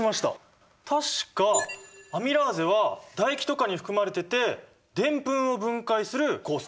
確かアミラーゼは唾液とかに含まれててデンプンを分解する酵素。